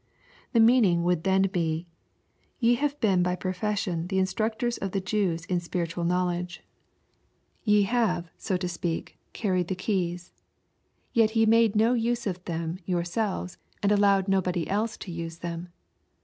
The meaning would then be, " Ye have been by profession the instructors of the Jews in LUKE, CHAP. XII. 67 Spiritual knowledge. Ye have, so to speak, carried the keys. Yet ye made no use of them yourselves, and allowed nobody else to use them."